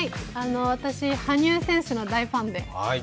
私、羽生選手の大ファンで。